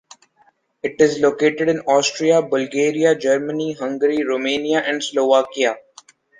It is located in Austria, Bulgaria, Germany, Hungary, Romania and Slovakia.